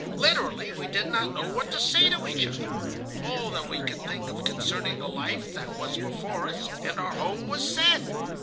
Literally, we did not know what to say to each other. All that we could think of concerning the life that was before us and our home was said.